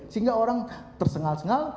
sehingga orang tersengal sengal